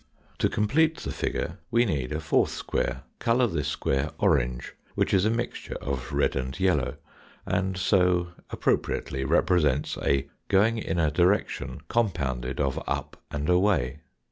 To complete the figure we need a fourth square. Colour this orange, which is a mixture of red and yellow, and so appropriately represents a going in a direction compounded of up and away.